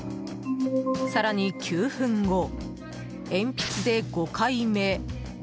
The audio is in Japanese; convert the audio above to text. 更に９分後、鉛筆で５回目。